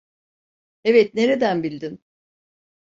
Evet, nereden bildin?